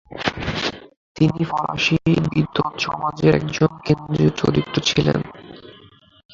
তিনি ফরাসি বিদ্বৎসমাজের একজন কেন্দ্রীয় চরিত্র ছিলেন।